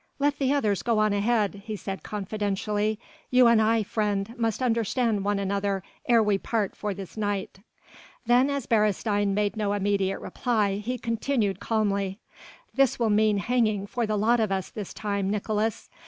"Let the others go on ahead," he said confidentially, "you and I, friend, must understand one another ere we part for this night." Then as Beresteyn made no immediate reply, he continued calmly: "This will mean hanging for the lot of us this time, Nicolaes!"